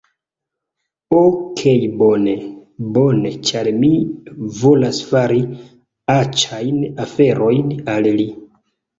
Okej bone, bone, ĉar mi volas fari aĉajn aferojn al li